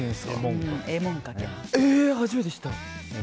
初めて知った。